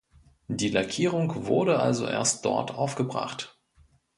Die Lackierung wurde also erst dort aufgebracht.